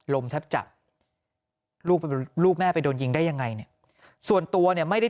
แทบจับลูกแม่ไปโดนยิงได้ยังไงเนี่ยส่วนตัวเนี่ยไม่ได้